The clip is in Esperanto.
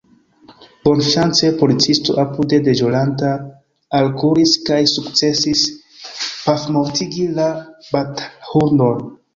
Bonŝance policisto apude deĵoranta alkuris kaj sukcesis pafmortigi la batalhundon.